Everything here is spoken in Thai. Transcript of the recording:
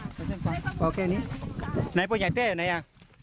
มันเป็นยังไงอ่ะค่ะไปเช่งความโอเคนี้ไหนพ่อใหญ่เต้อยู่ไหนอ่ะ